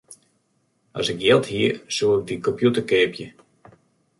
As ik jild hie, soe ik dy kompjûter keapje.